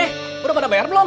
eh udah pada bayar belum